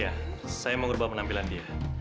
iya saya mau ngerbah penampilan dia